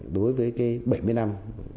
đối với cái bảy mươi năm